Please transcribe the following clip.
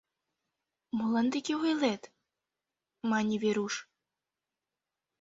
— Молан тыге ойлет? — мане Веруш.